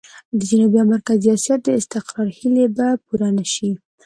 د جنوبي او مرکزي اسيا د استقرار هيلې به پوره نه شي.